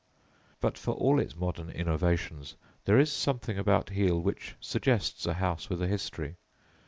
But for all its modern innovations there is something about Heale which suggests a house with a history.